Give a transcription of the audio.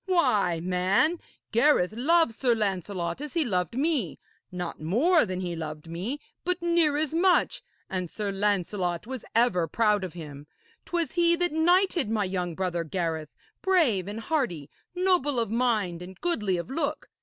Why, man, Gareth loved Sir Lancelot as he loved me not more than he loved me, but near as much; and Sir Lancelot was ever proud of him. 'Twas he that knighted my young brother Gareth, brave and hearty, noble of mind and goodly of look!